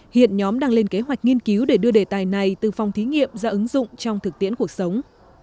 hiện nhóm đang lên kế hoạch nghiên cứu để đưa đề tài này từ phòng thí nghiệm ra ứng dụng trong thực tiễn cuộc sống